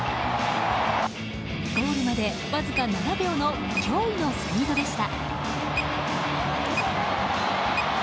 ゴールまで、わずか７秒の驚異のスピードでした。